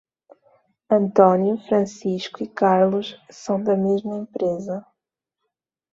Antônio, Francisco e Carlos são da mesma empresa.